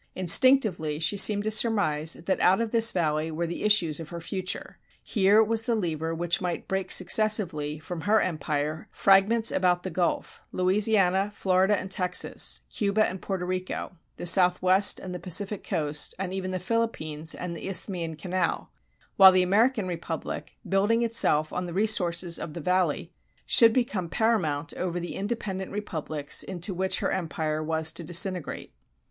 Instinctively she seemed to surmise that out of this Valley were the issues of her future; here was the lever which might break successively, from her empire fragments about the Gulf Louisiana, Florida and Texas, Cuba and Porto Rico the Southwest and Pacific coast, and even the Philippines and the Isthmian Canal, while the American republic, building itself on the resources of the Valley, should become paramount over the independent republics into which her empire was to disintegrate.